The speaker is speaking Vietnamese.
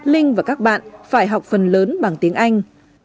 linh và các bạn phải học phần lớn bằng tiếng anh